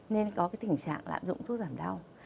nên có tình trạng lạm dụng thuốc giảm đau